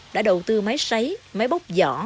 đã đầu tư máy sấy máy bóc giỏ